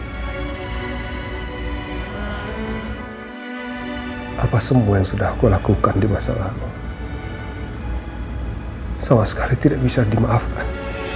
hai apa semua yang sudah aku lakukan di masa lalu sama sekali tidak bisa dimaafkan